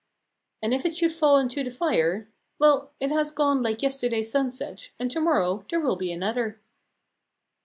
And if it should fall into the fire well, it has gone like yesterday's sunset, and to morrow there will be another.